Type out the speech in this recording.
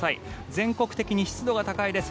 全国的に湿度が高いです。